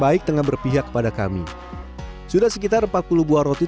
beratnya bokseng yang ada di belakang membuat saya cukup sulit menjaga keseimbangan roti anget roti